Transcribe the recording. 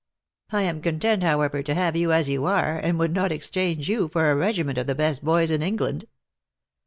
" I arn content, however, to have yon as you are, and would not exchange you for a regiment of the best boys in England."